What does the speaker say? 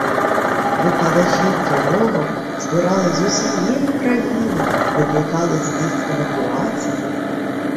Викладачів для нього збирали з усієї країни, викликали з місць евакуації.